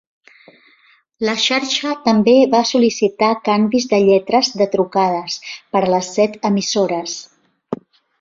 La xarxa també va sol·licitar canvis de lletres de trucades per a les set emissores.